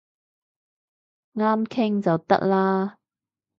啱傾就得啦